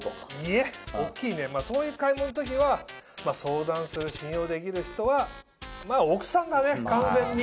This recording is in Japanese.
大っきいねそういう買い物の時は相談する信用できる人は奥さんだね完全に。